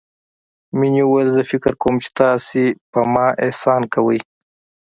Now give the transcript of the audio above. مينې وويل زه فکر کوم چې تاسو پر ما احسان کوئ.